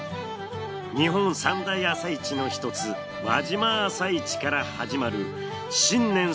日本三大朝市の一つ輪島朝市から始まる新年